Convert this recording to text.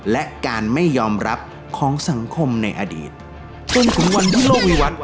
และการไม่ยอมรับของสังคมในอดีตจนถึงวันที่โลกวิวัต